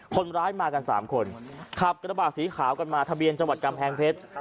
คนร้ายมากันสามคนขับกระบาดสีขาวกันมาทะเบียนจังหวัดกำแพงเพชร